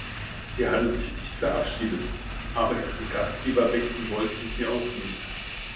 Sie hatte sich nicht verabschiedet, aber ihren Gastgeber wecken wollte sie auch nicht.